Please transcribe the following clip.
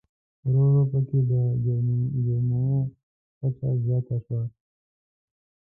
ورو ورو په کې د جرمومو کچه زیاته شوه.